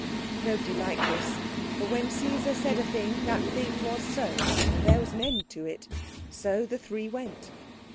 Nobody liked this; but when Caesar said a thing that thing was so, and there was an end to it. So the three went.